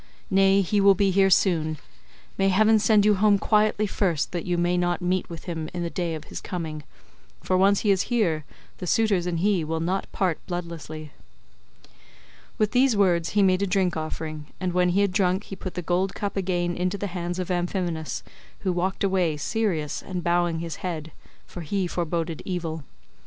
Nay, he will be here soon; may heaven send you home quietly first that you may not meet with him in the day of his coming, for once he is here the suitors and he will not part bloodlessly." With these words he made a drink offering, and when he had drunk he put the gold cup again into the hands of Amphinomus, who walked away serious and bowing his head, for he foreboded evil.